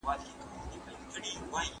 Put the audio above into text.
رابللي یې څو ښځي له دباندي